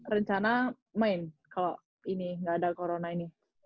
rencana main kalau ini nggak ada corona ini